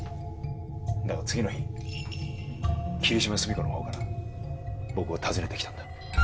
だが次の日霧島澄子の方から僕を訪ねてきたんだ。